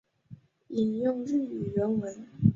引用日语原文